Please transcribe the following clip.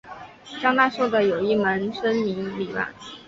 张大受的有一门生名李绂。